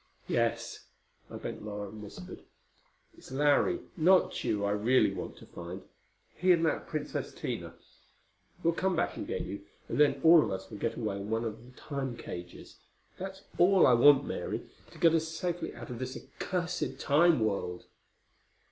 "Yes." I bent lower, and whispered, "It's Larry, not Tugh I really want to find he and that Princess Tina. We'll come back and get you, and then all of us will get away in one of the Time cages. That's all I want, Mary to get us safely out of this accursed Time world."